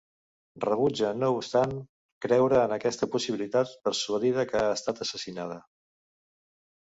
Rebutja no obstant creure en aquesta possibilitat, persuadida que ha estat assassinada.